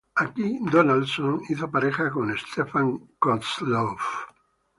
Aquí Donaldson hizo pareja con Stefan Kozlov.